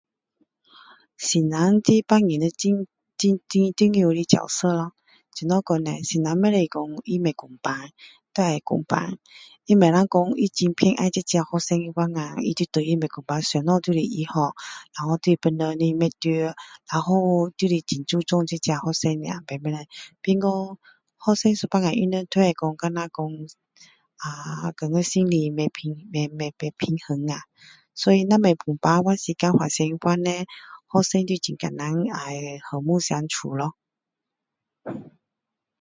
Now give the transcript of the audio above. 老师扮演着很重要的的角色咯怎么说叻老师不可以说他不公平都要公平他不可以说他偏爱这个学生就是不公平什么都是他好然后对别人不好什么都是这个学生好像什么都是对的别的学生会觉得心里不平衡呀所以如果不公平时间发生的那个时候叻学生就很难要和睦相处咯